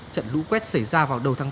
trận rũ quét xảy ra vào đầu tháng tám